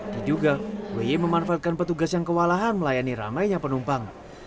diduga wi memanfaatkan petugas yang kewalahan melayani ramainya penumpang